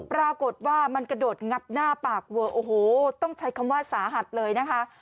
ปรากฏว่ามันกระโดดงับหน้าปากเวอะโอ้โหต้องใช้คำว่าสาหัสเลยนะคะ